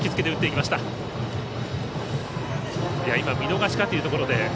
今は見逃しかというところで。